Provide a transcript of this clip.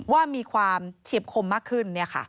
ว่ามีความเฉียบคมมากขึ้น